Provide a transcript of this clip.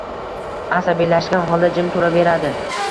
asabiylashgan holda jim turaveradi.